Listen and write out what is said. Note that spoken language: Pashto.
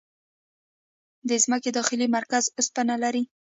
د ځمکې داخلي مرکز اوسپنه لري.